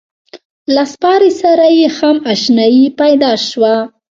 له سپارې سره یې هم اشنایي پیدا شوه.